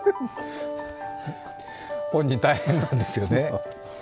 本人、大変なんですよね。